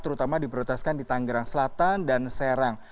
terutama diprioritaskan di tanggerang selatan dan serang